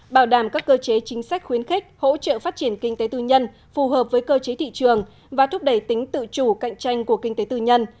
bảo đảm các cơ chế chính sách khuyến khích hỗ trợ phát triển kinh tế tư nhân phù hợp với cơ chế thị trường và thúc đẩy tính tự chủ cạnh tranh của kinh tế tư nhân